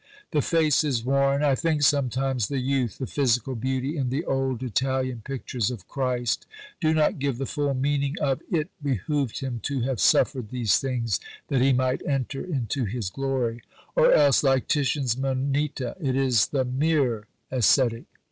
The face is worn. I think sometimes the youth, the physical beauty in the old Italian pictures of Christ do not give the full meaning of "it behoved Him to have suffered these things that He might enter into His glory"; or else, like Titian's "Moneta," it is the mere ascetic.